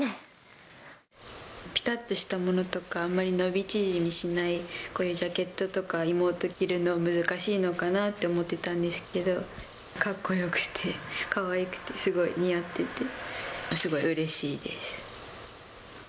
ぴたっとしたものとか、あまり伸び縮みしない、こういうジャケットとか、妹着るのは難しいのかなって思ってたんですけど、かっこよくて、かわいくて、すごい似合ってて、すごいうれしいです。